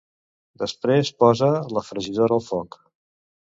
Després posa la fregidora al foc.